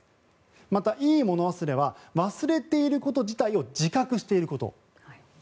また、いいもの忘れは忘れていること自体を自覚していること。